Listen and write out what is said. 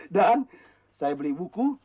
dan saya beli buku